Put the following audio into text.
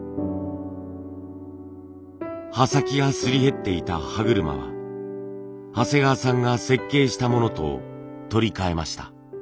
刃先がすり減っていた歯車は長谷川さんが設計したものと取り替えました。